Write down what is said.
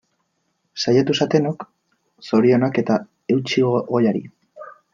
Saiatu zatenok, zorionak eta eutsi goiari!